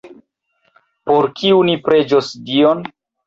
Por kiu ni preĝos Dion?